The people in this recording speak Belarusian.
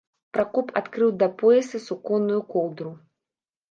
Пракоп адкрыў да пояса суконную коўдру.